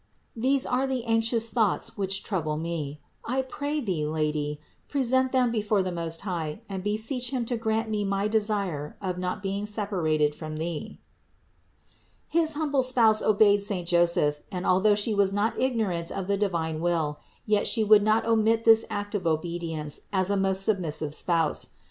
These are the anxious thoughts which trouble me. I pray Thee, Lady, present them before the Most High and beseech Him to grant me my desire of not being separated from Thee." 450. His humble Spouse obeyed saint Joseph and although She was not ignorant of the divine will, yet She would not omit this act of obedience as a most sub missive Spouse.